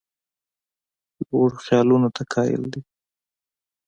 لوړو خیالونو ته قایل دی.